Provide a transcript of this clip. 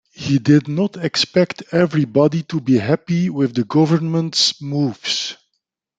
He did not expect everybody to be happy with the government's moves.